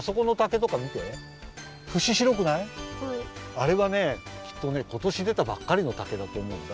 あれはねきっとねことしでたばっかりの竹だとおもうんだ。